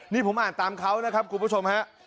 นี่ผมอ่านตามเขานะครับคุณผู้ชมฮะ